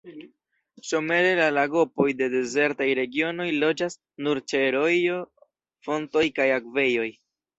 Somere la lagopoj de dezertaj regionoj loĝas nur ĉe rojoj, fontoj kaj akvejoj.